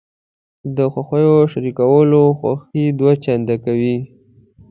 د خوښیو شریکول خوښي دوه چنده کوي.